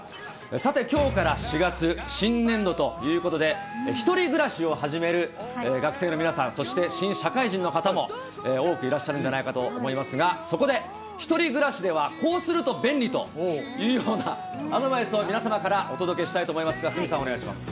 さて、きょうから４月、新年度ということで、１人暮らしを始める学生の皆さん、そして新社会人の方も多くいらっしゃるんじゃないかと思いますが、そこで、１人暮らしではこうすると便利というような、アドバイスを皆様からお届けしたいと思いますが、鷲見さん、お願いします。